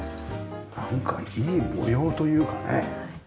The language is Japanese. なんかいい模様というかね。